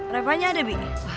repanya ada bibi